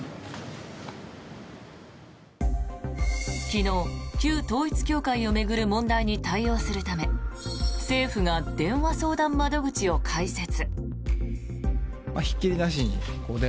昨日、旧統一教会を巡る問題に対応するため政府が電話相談窓口を開設。